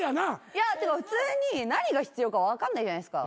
いやけど普通に何が必要か分かんないじゃないですか。